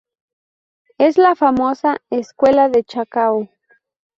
Es la famosa "Escuela de Chacao".